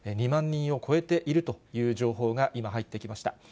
２万人を超えているという情報が今、入ってきました。